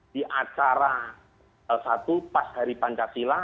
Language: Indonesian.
di acara satu pas hari pancasila